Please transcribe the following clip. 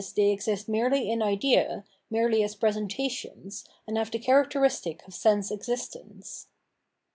they exist merely in idea, merely as presentations, and have the characteristic of sense existence.